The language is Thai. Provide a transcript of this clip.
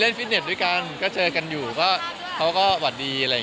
ในสถานที่ไหน